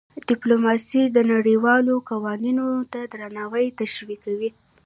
ډيپلوماسي د نړیوالو قوانینو ته درناوی تشویقوي.